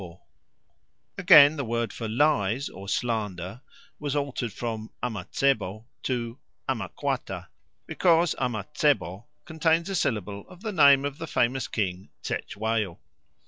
_ Again, the word for "lies" or "slander" was altered from amacebo to amakwata, because amacebo contains a syllable of the name of the famous King Cetchwayo.